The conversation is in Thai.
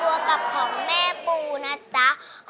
แล้วน้องใบบัวร้องได้หรือว่าร้องผิดครับ